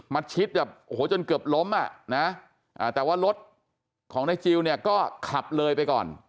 มัดชิดจนเกือบล้มแต่ว่ารถของนายจิลก็ขับเลยไปก่อน